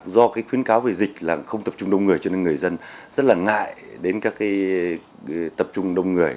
do khuyến cáo về dịch là không tập trung đông người cho nên người dân rất là ngại đến các cái tập trung đông người